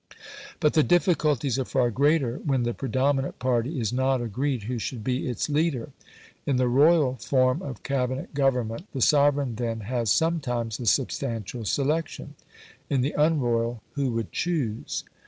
But the difficulties are far greater when the predominant party is not agreed who should be its leader. In the royal form of Cabinet government the sovereign then has sometimes a substantial selection; in the unroyal, who would choose?